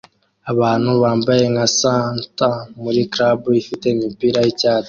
Abantu bambaye nka Santa muri club ifite imipira yicyatsi